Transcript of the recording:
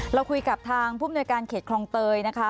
เราคุยกับทางผู้มนวยการเขตคลองเตยนะคะ